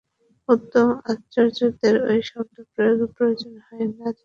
উত্তম আচার্যদের ঐ শব্দপ্রয়োগের প্রয়োজন হয় না, যেমন যীশুখ্রীষ্টের।